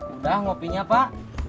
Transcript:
udah kopinya pak